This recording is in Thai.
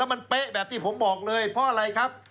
มันเป๊ะแบบที่ผมบอกเลยเพราะอะไรครับ